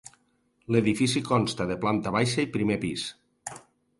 L'edifici consta de planta baixa i primer pis.